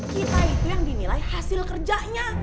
kita itu yang dinilai hasil kerjanya